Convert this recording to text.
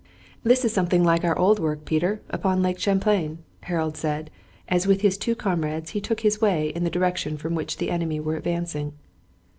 "This is something like our old work, Peter, upon Lake Champlain," Harold said, as with his two comrades he took his way in the direction from which the enemy were advancing.